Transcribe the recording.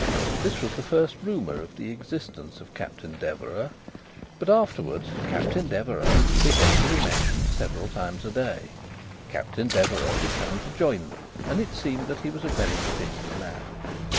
This was the first rumour of the existence of Captain Deverax; but afterwards Captain Deverax began to be mentioned several times a day. Captain Deverax was coming to join them, and it seemed that he was a very particular man.